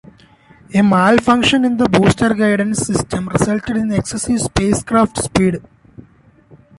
A malfunction in the booster guidance system resulted in excessive spacecraft speed.